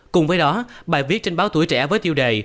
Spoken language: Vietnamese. cùng với đó bài viết trên báo tuổi trẻ với tiêu đề